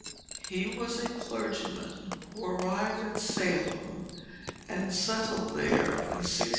He was a clergyman, who arrived at Salem, and settled there in 1631.